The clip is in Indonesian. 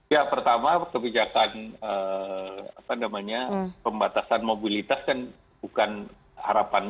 ya pertama kebijakan pembatasan mobilitas kan bukan harapan